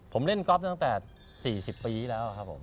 ผมเล่นก๊อฟตั้งแต่๔๐ปีแล้วครับผม